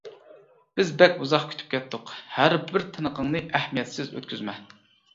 بىز بەك ئۇزاق كۈتۈپ كەتتۇق. ھەربىر تىنىقىڭنى ئەھمىيەتسىز ئۆتكۈزمە!